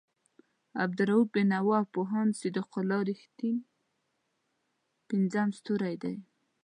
عبالرؤف بېنوا او پوهاند صدیق الله رښتین پنځم ستوری دی.